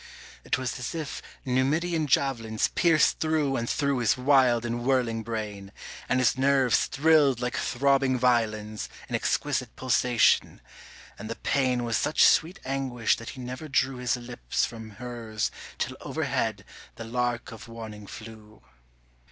It was as if Numidian javelins Pierced through and through his wild and whirling brain, And his nerves thrilled like throbbing violins In exquisite pulsation, and the pain Was such sweet anguish that he never drew His lips from hers till overhead the lark of warning flew.